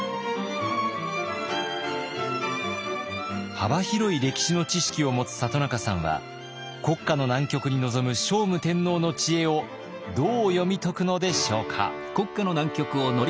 幅広い歴史の知識を持つ里中さんは国家の難局に臨む聖武天皇の知恵をどう読み解くのでしょうか。